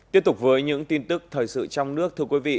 tiếp tục với những tin tức thời sự trong nước thưa quý vị